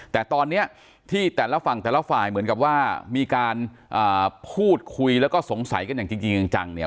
แต่ตอนนี้ที่แต่ละฝั่งแต่ละฝ่ายเหมือนกับว่ามีการพูดคุยแล้วก็สงสัยกันอย่างจริงจังเนี่ย